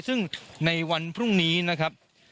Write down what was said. ซึ่งในวันพรุ่งนี้นะครับ